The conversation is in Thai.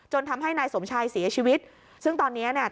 ทำให้นายสมชายเสียชีวิตซึ่งตอนเนี้ย